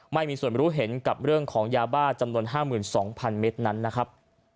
ไม่มีส่วนรู้เห็นกับเรื่องของยาบ้าจำนวน๕๒๐๐๐เมตรนั้นนะครับ